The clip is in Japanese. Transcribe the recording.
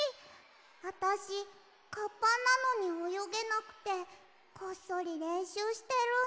あたしカッパなのにおよげなくてこっそりれんしゅうしてるんだ。